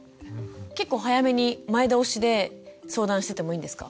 結構早めに前倒しで相談してもいいんですか？